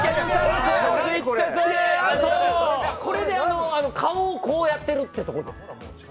これで顔をこうやってるってことで。